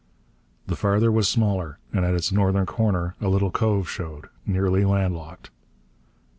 The farther was smaller, and at its northern corner a little cove showed, nearly land locked.